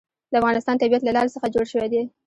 د افغانستان طبیعت له لعل څخه جوړ شوی دی.